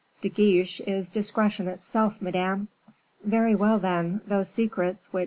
De Guiche is discretion itself, Madame." "Very well, then; those secrets which M.